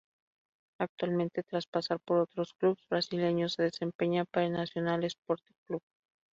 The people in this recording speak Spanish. Actualmente tras pasar por otros clubs brasileños se desempeña para el Nacional Esporte Clube.